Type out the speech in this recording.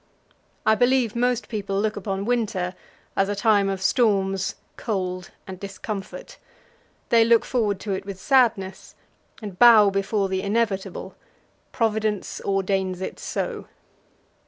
I believe most people look upon winter as a time of storms, cold, and discomfort. They look forward to it with sadness, and bow before the inevitable Providence ordains it so.